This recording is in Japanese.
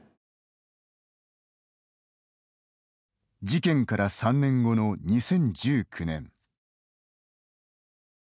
事件から３年後の２０１９年。